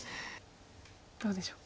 どうでしょう。